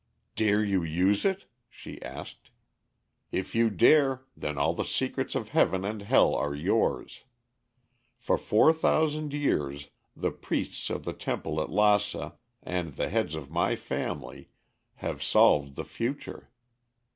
"Dare you use it?" she asked. "If you dare, then all the secrets of heaven and hell are yours. For four thousand years the priests of the temple at Lassa and the heads of my family have solved the future.